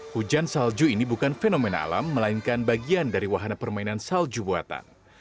hujan salju ini bukan fenomena alam melainkan bagian dari wahana permainan salju buatan